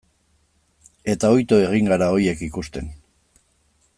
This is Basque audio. Eta ohitu egin gara horiek ikusten.